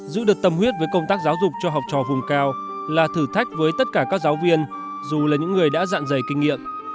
giữ được tâm huyết với công tác giáo dục cho học trò vùng cao là thử thách với tất cả các giáo viên dù là những người đã dạng dày kinh nghiệm